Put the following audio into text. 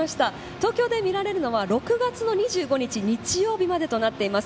東京で見られるのは６月の２５日日曜日までとなっています。